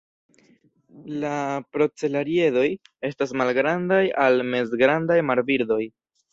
La procelariedoj estas malgrandaj al mezgrandaj marbirdoj.